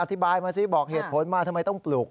อธิบายมาสิบอกเหตุผลมาทำไมต้องปลูก